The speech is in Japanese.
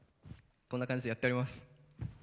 こんな感じでやっております。